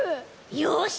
よし！